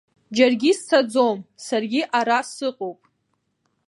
Џьаргьы сцаӡом, саргьы ара сыҟоуп.